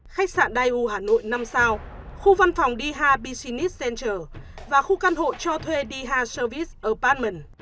khách sạn đài u hà nội năm sao khu văn phòng đi hà business center và khu căn hộ cho thuê đi hà service apartment